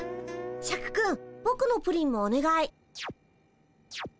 シャクくんぼくのプリンもおねがい。